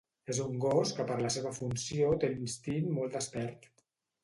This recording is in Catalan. És un gos que per la seva funció té l'instint molt despert.